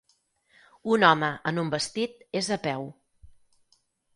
Un home en un vestit és a peu